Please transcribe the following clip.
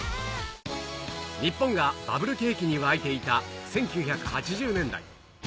日本がバブル景気に沸いていた１９８０年代。